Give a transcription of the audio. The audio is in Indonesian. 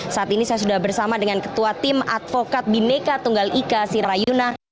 saat ini saya sudah bersama dengan ketua tim advokat bineka tunggal ika sirayuna